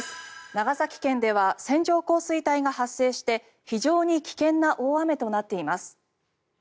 長崎県では線状降水帯が発生して非常に危険な大雨となっています。